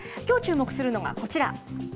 きょう注目するのがこちら。